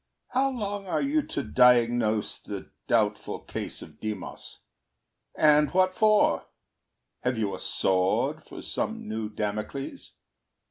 How long Are you to diagnose the doubtful case Of Demos and what for? Have you a sword For some new Damocles?